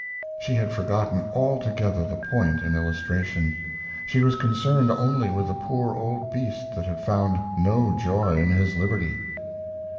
She had forgotten altogether the point in illustration. She was concerned only with the poor old beast that had found no joy in his liberty.